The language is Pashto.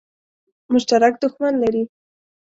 مشترک دښمن لري.